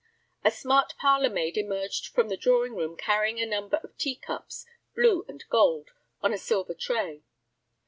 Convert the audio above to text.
A smart parlor maid emerged from the drawing room, carrying a number of teacups, blue and gold, on a silver tray.